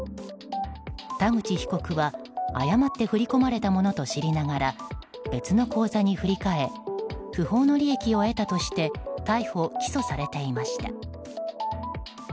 田口被告は誤って振り込まれたものと知りながら別の口座に振り替え不法の利益を得たとして逮捕・起訴されていました。